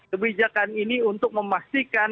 kebijakan ini untuk memastikan